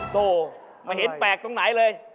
โต้ไม่เห็นแปลกตรงไหนเลย